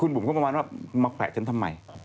บุ๋มก็ประมาณว่ามาแขวะฉันทำไม